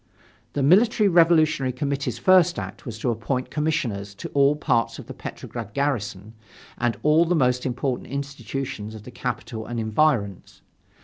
The Military Revolutionary Committee's first act was to appoint commissioners to all parts of the Petrograd garrison and all the most important institutions of the capital and environs.